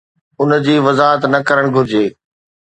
ان جي وضاحت نه ڪرڻ گهرجي.